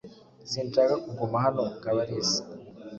Sinshaka kuguma hano, Kabalisa.